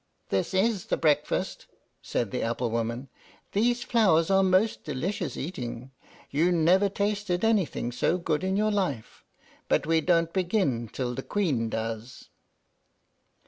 "This is the breakfast," said the apple woman; "these flowers are most delicious eating. You never tasted anything so good in your life; but we don't begin till the Queen does."